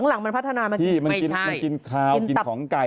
หลังมันพัฒนามันกินขี้มันกินขาวกินของไก่